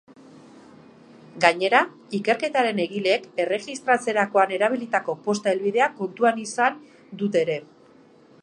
Gainera, ikerketaren egileek erregistratzerakoan erabilitako posta helbidea kontuan izan dute ere.